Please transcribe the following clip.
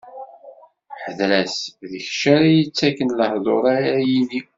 Hdeṛ-as, d kečč ara s-ittaken lehduṛ ara yini.